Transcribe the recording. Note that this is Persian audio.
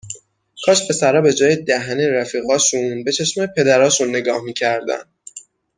کاش پسرا به جای دهن رفیقاشون به چشمای پدراشون نگاه میکردن!